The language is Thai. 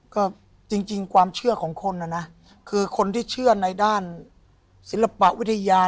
ก็จริงความเชื่อของคนน่ะนะคือคนที่เชื่อในด้านศิลปวิทยา